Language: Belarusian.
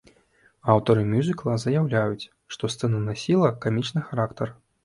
Аўтары мюзікла заяўляюць, што сцэна насіла камічны характар.